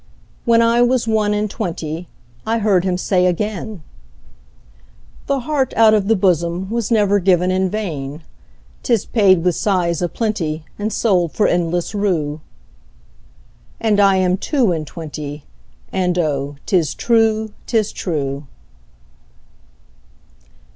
When I was one and twentyI heard him say again,'The heart out of the bosomWas never given in vain;'Tis paid with sighs a plentyAnd sold for endless rue.'And I am two and twenty, And oh, 'tis true, 'tis true.